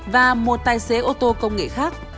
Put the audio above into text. và một tài xế ô tô công nghệ khác